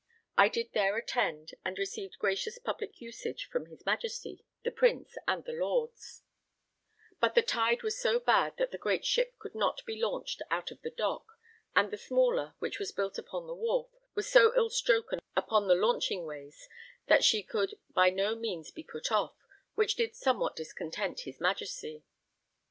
I did there attend, and received gracious public usage from his Majesty, the Prince, and the Lords; but the tide was so bad that the great ship could not be launched out of the dock, and the smaller, which was built upon the wharf, was so ill stroken upon the launching ways that she could by no means be put off, which did somewhat discontent his Majesty.